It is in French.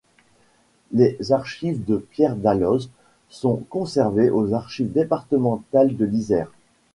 Les archives de Pierre Dalloz sont conservées aux Archives départementales de l'Isère.